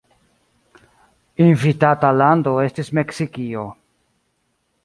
Invitata lando estis Meksikio.